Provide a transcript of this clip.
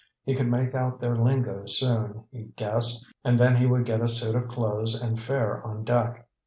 He could make out their lingo soon, he guessed, and then he would get a suit of clothes and fare on deck.